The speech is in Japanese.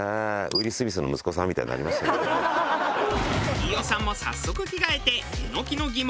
飯尾さんも早速着替えて